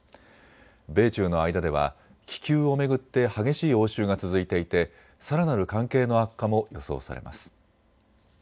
米中の間では気球を巡って激しい応酬が続いていてさらなる関係の悪化も予想されます。